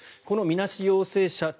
このみなし陽性者